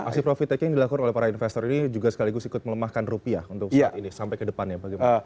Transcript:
aksi profit taking dilakukan oleh para investor ini juga sekaligus ikut melemahkan rupiah untuk saat ini sampai ke depannya bagaimana